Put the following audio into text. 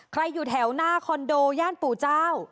อยู่แถวหน้าคอนโดย่านปู่เจ้า